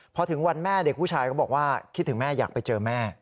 พอถึงวันแม่เด็กผู้ชายก็บอกว่าคิดถึงแม่อยากไปเจอแม่